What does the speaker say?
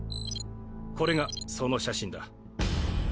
これがその写真だ。